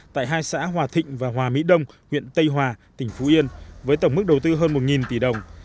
tại hai xã hòa thịnh và hòa mỹ đông huyện tây hòa tỉnh phú yên với tổng mức đầu tư hơn một tỷ đồng